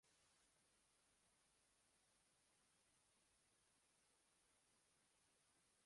Boliviya maqoli